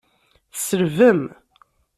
Tselbem?